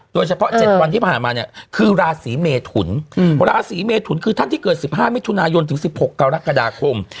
โดยเฉพาะ๗วันที่ผ่านมาเนี่ยคือราศีเมทุนราศีเมทุนคือท่านที่เกิด๑๕มิถุนายนถึง๑๖กรกฎาคม